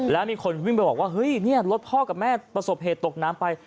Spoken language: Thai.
แล้วมีคนวิ่งไปบอกว่าเฮ้ยเนี่ยรถพ่อกับแม่ประสบเหตุตกน้ำไป